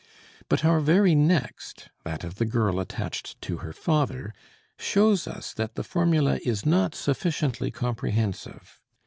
But our very next, that of the girl attached to her father, shows us that the formula is not sufficiently comprehensive.